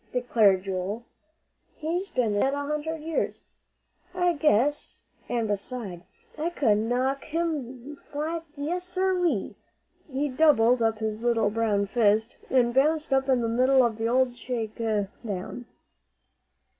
declared Joel. "He's been dead a hundred years, I guess. An' beside, I could knock him flat, yes, sir ree!" He doubled up his little brown fist, and bounced up in the middle of the old shake down.